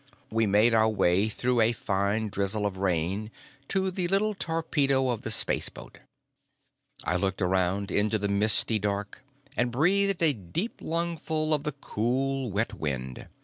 We made our way through a fine drizzle of rain to the little torpedo of the spaceboat. I looked around into the misty dark and breathed a deep lungful of the cool wet wind.